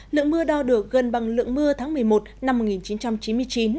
lượng mưa đo được gần bằng lượng mưa tháng một mươi một năm một nghìn chín trăm chín mươi chín